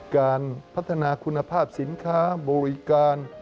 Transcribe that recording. การพัฒนาคุณภาพสินค้าบริการ